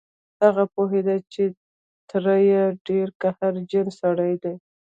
هغه پوهېده چې تره يې ډېر قهرجن سړی دی.